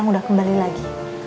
saya udah kembali lagi